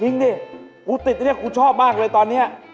จริงดิกูติดแล้วกูชอบมากเลยตอนนี้